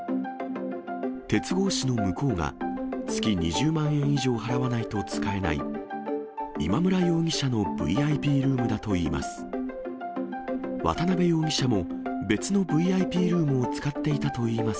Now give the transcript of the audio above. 鉄格子の向こうが月２０万円以上払わないと使えない、今村容疑者のＶＩＰルームだといいます。